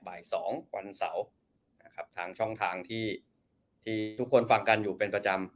บ่าย๒วันเสาร์นะครับทางช่องทางที่ทุกคนฟังกันอยู่เป็นประจำ